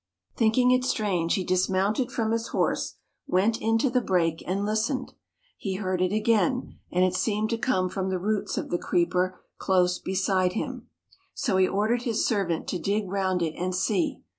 Thinking it strange, he dismounted from his horse, went into the brake and listened. He heard it again, and it seemed to come from the roots of the creeper close beside him, so he ordered his servant to dig round it and see.